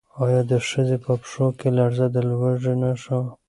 ایا د ښځې په پښو کې لړزه د لوږې نښه وه؟